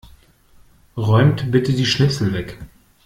Räumt bitte die Schnipsel weg.